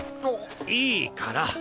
いいから！